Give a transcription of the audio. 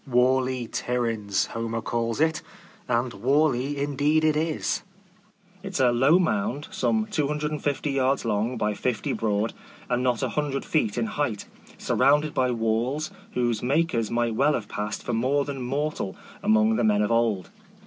"Wally Tiryns," Homer calls it; and "wally" indeed it is. It is a low mound, some 250 yards long by 50 broad, and not 100 feet in height, surrounded by walls, whose makers might well have passed for more than mortal among the men of old.